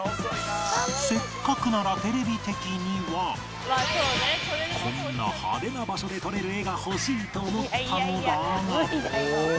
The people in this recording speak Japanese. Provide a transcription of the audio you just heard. せっかくならこんな派手な場所でとれる画が欲しいと思ったのだが